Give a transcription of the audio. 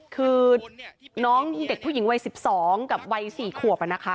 คือน้องเด็กผู้หญิงวัย๑๒กับวัย๔ขวบนะคะ